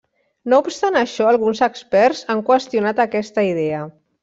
No obstant això, alguns experts han qüestionat aquesta idea.